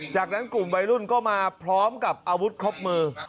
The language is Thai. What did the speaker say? จากนั้นกลุ่มวัยรุ่นก็มาพร้อมกับอาวุธครบมือ